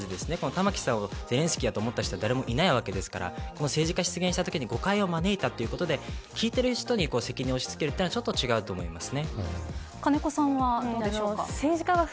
玉城さんをゼレンスキーだと思った人は誰もいないわけですから誤解を招いたということで聞いている人に責任を押し付けるのはちょっと違うと思います。